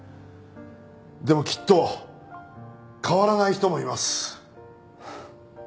でもきっと変わらない人もいます。